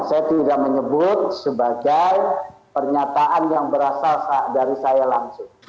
saya tidak menyebut sebagai pernyataan yang berasal dari saya langsung